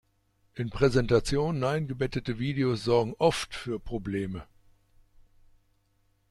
In Präsentationen eingebettete Videos sorgen oft für Probleme.